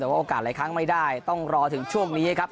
แต่ว่าโอกาสหลายครั้งไม่ได้ต้องรอถึงช่วงนี้ครับ